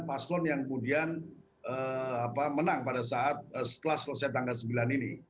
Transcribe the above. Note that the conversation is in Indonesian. paslon yang kemudian menang pada saat setelah selesai tanggal sembilan ini